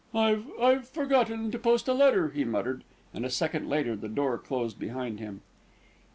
"I I've forgotten to post a letter," he muttered, and a second later the door closed behind him.